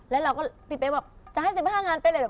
แล้วพี่เบ๊กเขาก็แบบจะให้๑๕งานไปแบบ